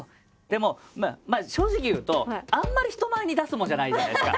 でもまあ正直言うとあんまり人前に出すもんじゃないじゃないですか。